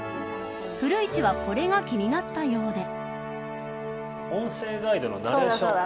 古市はこれが気になったようで。